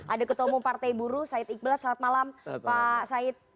ada ketua umum partai buru said iqbal selamat malam pak said